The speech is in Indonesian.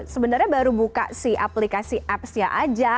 sebenarnya baru buka aplikasi apps nya aja